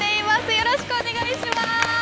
よろしくお願いします。